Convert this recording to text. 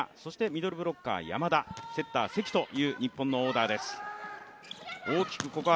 ミドルブロッカー・山田、セッター・関という日本のオーダーです。